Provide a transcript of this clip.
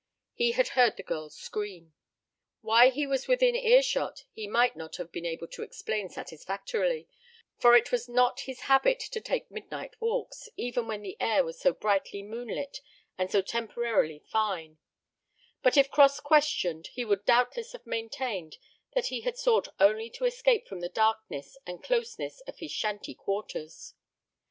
He had heard the girl's scream. Why he was within earshot he might not have been able to explain satisfactorily, for it was not his habit to take midnight walks, even when the air was so brightly moonlit and so temporarily fine; but if cross questioned, he would doubtless have maintained that he had sought only to escape from the darkness and closeness of his shanty quarters.